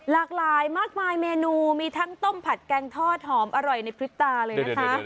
หลากหลายมากมายเมนูมีทั้งต้มผัดแกงทอดหอมอร่อยในพริบตาเลยนะคะ